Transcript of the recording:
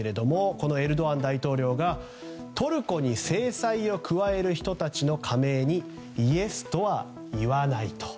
このエルドアン大統領がトルコに制裁を加える人たちの加盟にイエスとは言わないと。